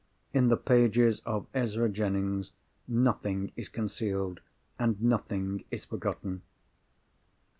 In the pages of Ezra Jennings nothing is concealed, and nothing is forgotten.